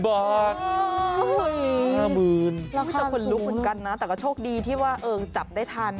๕๐๐๐๐บาทราคาสูงนะแต่ก็โชคดีที่ว่าเออจับได้ทัน